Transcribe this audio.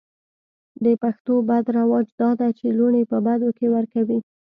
د پښتو بد رواج دا ده چې لوڼې په بدو کې ور کوي.